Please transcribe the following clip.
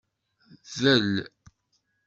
Del.